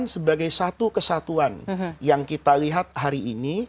sebagai satu kesatuan yang kita lihat hari ini